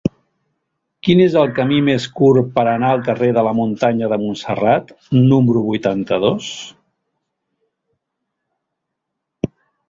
Quin és el camí més curt per anar al carrer de la Muntanya de Montserrat número vuitanta-dos?